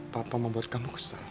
papa membuat kamu kesal